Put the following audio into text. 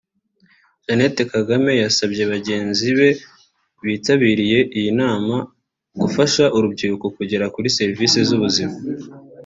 Jeannette Kagame yasabye bagenzi be bitabiriye iyi nama gufasha urubyiruko kugera kuri serivisi z’ubuzima